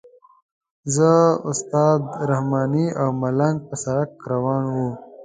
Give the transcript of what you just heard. زه استاد رحماني او ملنګ پر سړک روان وو.